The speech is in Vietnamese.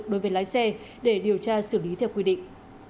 đối với lái xe để điều tra xử lý theo quy định